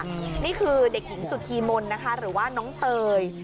นี่คือเด็กหญิงสุธีมนต์นะคะหรือว่าน้องเตย